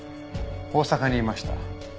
大阪にいました。